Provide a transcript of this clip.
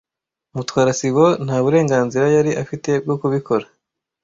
Mutwara sibo nta burenganzira yari afite bwo kubikora.